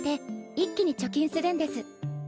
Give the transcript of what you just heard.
一気に貯金するんです。